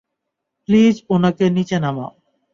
Please ওনাকে নিচে নামাও।